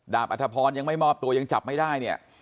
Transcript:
อัธพรยังไม่มอบตัวยังจับไม่ได้เนี่ย